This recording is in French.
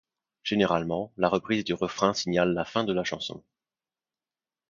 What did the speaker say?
Généralement la reprise du refrain signale la fin de la chanson.